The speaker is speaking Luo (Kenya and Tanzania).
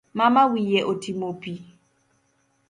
Mama wiye otimo pi